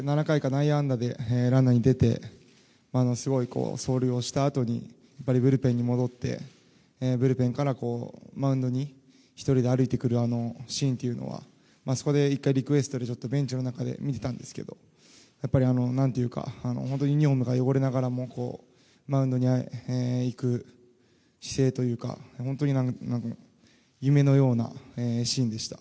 内野安打でランナーに出てすごい走塁をしたあとにブルペンに戻ってブルペンからマウンドに１人で歩いてくるあのシーンというのはあそこで１回リクエストでベンチの中で見ていたんですけどユニホームが汚れながらもマウンドに行く姿勢というか本当に夢のようなシーンでした。